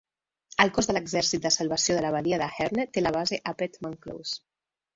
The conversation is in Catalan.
El Cos de l'exèrcit de salvació de la badia de Herne té la base a Pettman Close.